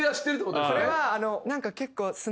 これは何か結構。